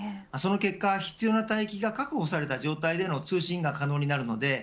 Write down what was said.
その結果、必要な帯域が確保された状態での通信が可能になります。